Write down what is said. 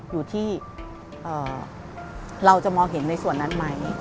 อยู่ที่เราจะมองเห็นในส่วนนั้นไหม